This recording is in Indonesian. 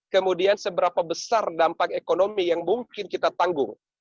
kemudian seberapa besar dampak ekonomi yang mungkin kita tanggung